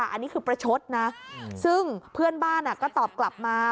อันนี้คือประชดนะซึ่งเพื่อนบ้านก็ตอบกลับมา